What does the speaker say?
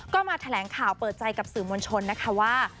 ก็มาแถลงข่าวเปิดใจกับสื่อมวลชนนะคะว่า